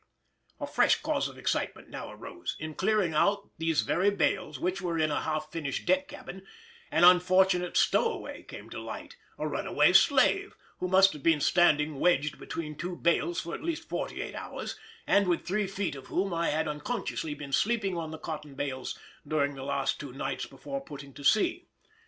A fresh cause of excitement now arose; in clearing out these very bales, which were in a half finished deck cabin, an unfortunate stowaway came to light, a runaway slave, who must have been standing wedged between two bales for at least forty eight hours, and within three feet of whom I had unconsciously been sleeping on the cotton bales during the last two nights before putting to sea.